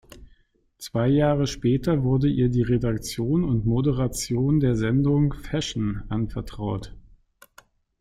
Zwei Jahre später wurde ihr die Redaktion und Moderation der Sendung „Fashion“ anvertraut.